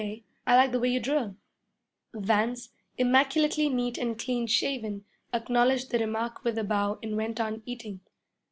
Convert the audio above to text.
K. I like the way you drill.' Vance, immaculately neat and clean shaven, acknowledged the remark with a bow and went on eating.